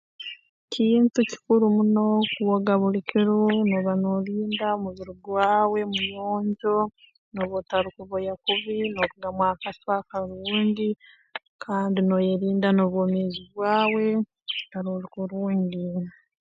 Kintu kikuru muno kwoga buli kiro nooba noolinda omubiri gwawe muyonjo nooba otarukoboya kubi noorugamu akasu akarungi kandi nooyerinda n'obwomeezi bwawe kwikara oli kurungi muno